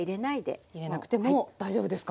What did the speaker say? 入れなくても大丈夫ですか？